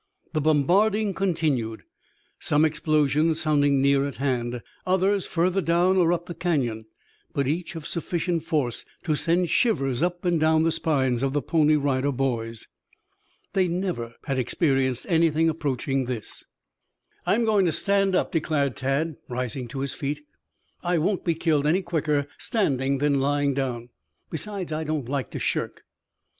The bombarding continued, some explosions sounding near at hand, others further down or up the Canyon, but each of sufficient force to send shivers up and down the spines of the Pony Rider Boys. They never had experienced anything approaching this. "I'm going to stand up," declared Tad, rising to his feet. "I won't be killed any quicker standing than lying down. Besides, I don't like to shirk."